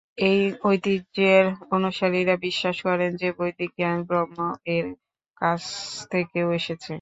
এই ঐতিহ্যের অনুসারীরা বিশ্বাস করেন যে বৈদিক জ্ঞান ব্রহ্ম এর কাছ থেকে এসেছে।